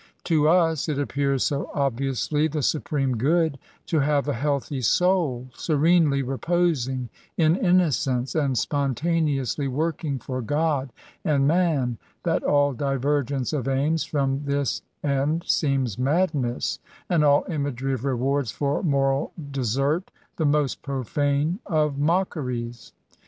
To us it appears so obviously the supreme good to have a healthy, soul serenely reposing in innocence, and spon taneously working for God and man, that all divergence of aims from this end seems madness, and all imagery of rewards for moral desert the most profane of mockeries.